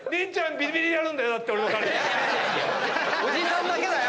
おじさんだけだよ！